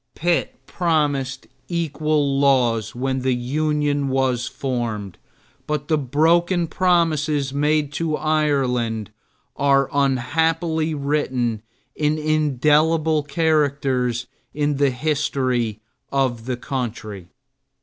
Pitt promised equal laws when the union was formed, but the broken promises made to Ireland are unhappily written in indelible characters in the history of the country.